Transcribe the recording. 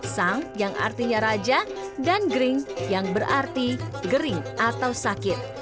sang yang artinya raja dan gering yang berarti gering atau sakit